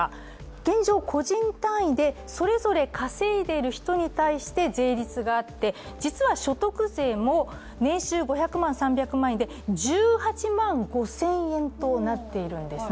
現状、個人単位でそれぞれ稼いでいる人に対して課税されて実とは所得税も年収５００万円、３００万円で１８万５０００円となっているんですね。